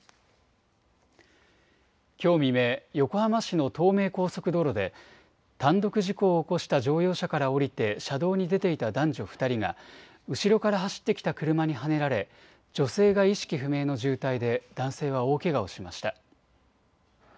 きょう未明、横浜市の東名高速道路で、単独事故を起こした乗用車から降りて車道に出ていた男女２人が、後ろから走ってきた車にはねられ、女性が意識不明の重体で、男性は大けがをしました。